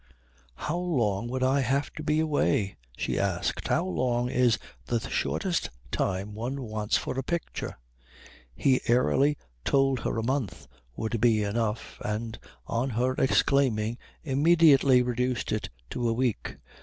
"How long would I have to be away?" she asked. "How long is the shortest time one wants for a picture?" He airily told her a month would be enough, and, on her exclaiming, immediately reduced it to a week.